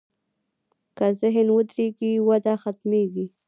که ذهن ودرېږي، وده ختمېږي.